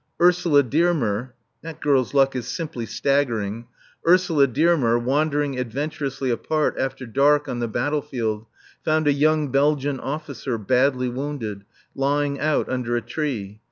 Ursula Dearmer (that girl's luck is simply staggering!) Ursula Dearmer, wandering adventurously apart, after dark, on the battle field, found a young Belgian officer, badly wounded, lying out under a tree.